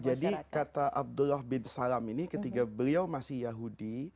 jadi kata abdullah bin salam ini ketika beliau masih yahudi